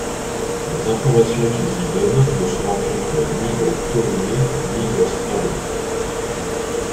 Les informations qu'il y donnent ne se rencontrent ni dans Ptolémée ni dans Strabon.